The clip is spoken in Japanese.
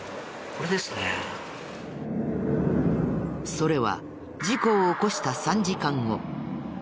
それは事故を起こした３時間後。